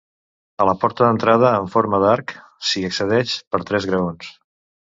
A la porta d'entrada, en forma d'arc, s'hi accedeix per tres graons.